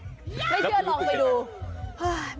ไม่เชื่อลองไปดู